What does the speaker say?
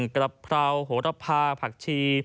กะเพราโหระพาผักชี